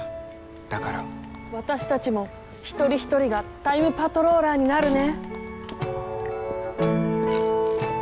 私たちも一人一人がタイムパトローラーになるね。